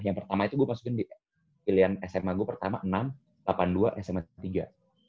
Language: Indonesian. yang pertama itu gue masukin di pilihan sma gue pertama enam delapan dua sma tiga